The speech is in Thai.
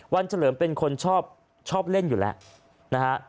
เฉลิมเป็นคนชอบชอบเล่นอยู่แล้วนะฮะ